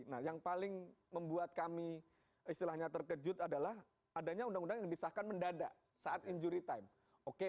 nah yang paling membuat kami istilahnya terkejut adalah adanya undang undang yang disahkan mendadak saat injury time